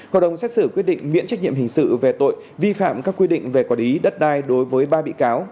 hội đồng xét xử quyết định miễn trách nhiệm hình sự về tội vi phạm các quy định về quản lý đất đai đối với ba bị cáo